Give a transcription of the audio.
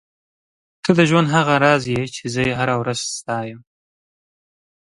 ته د ژوند هغه راز یې چې زه یې هره ورځ ستایم.